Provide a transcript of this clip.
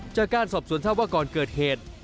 จากการสอบสวนทราบว่าก่อนเกิดเหตุ